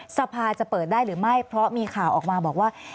สภาจะเปิดได้หรือไม่เพราะมีข่าวออกมาบอกว่า